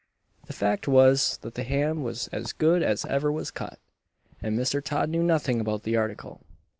The fact was, that the ham was as good as ever was cut, and Mr. Todd knew nothing about the article.